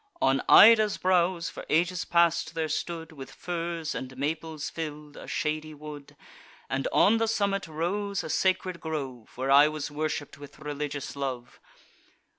On Ida's brows, for ages past, there stood, With firs and maples fill'd, a shady wood; And on the summit rose a sacred grove, Where I was worship'd with religious love.